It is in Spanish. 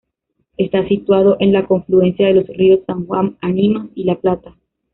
Está situado en la confluencia de los ríos San Juan, Animas y La Plata.